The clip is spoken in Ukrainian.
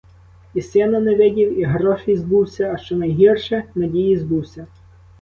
І сина не видів, і грошей збувся, а що найгірше — надії збувся.